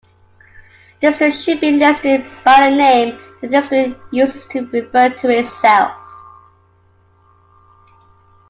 Districts should be listed by the name the district uses to refer to itself.